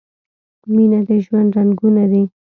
مینه د ژوند رنګونه دي.